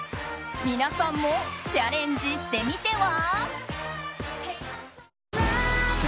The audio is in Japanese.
皆さんもチャレンジしてみては？